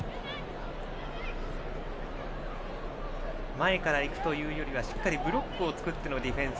前から行くというよりはしっかりブロックを作ってのディフェンス。